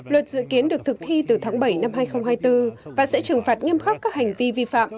luật dự kiến được thực thi từ tháng bảy năm hai nghìn hai mươi bốn và sẽ trừng phạt nghiêm khắc các hành vi vi phạm